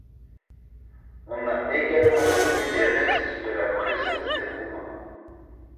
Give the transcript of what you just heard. On a également trouvé des restes de la présence des Romains.